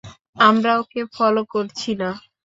আমরা ওকে ফলো করছি না।